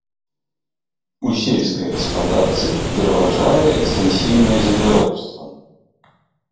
У сельскай гаспадарцы пераважае экстэнсіўнае земляробства.